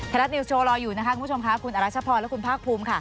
รัฐนิวสโชว์รออยู่นะคะคุณผู้ชมค่ะคุณอรัชพรและคุณภาคภูมิค่ะ